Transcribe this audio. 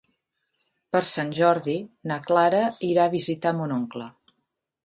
Per Sant Jordi na Clara irà a visitar mon oncle.